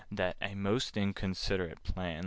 That's a most inconsiderate plan.